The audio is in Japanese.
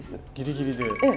ギリギリで。